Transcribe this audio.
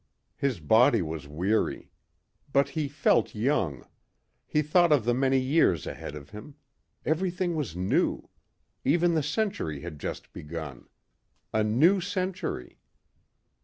His body was weary. But he felt young. He thought of the many years ahead of him. Everything was new. Even the century had just begun. A new century.